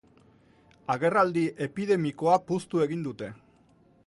Agerraldi epidemikoa puztu egin dute.